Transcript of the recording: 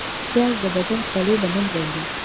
پیاز د بدن خولې له منځه وړي